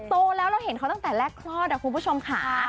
โตแล้วเราเห็นเขาตั้งแต่แรกคลอดคุณผู้ชมค่ะ